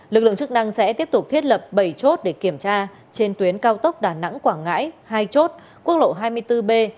lực lượng chức năng sẽ tiếp tục thiết lập bảy chốt để kiểm tra trên tuyến cao tốc đà nẵng quảng ngãi hai chốt quốc lộ hai mươi bốn b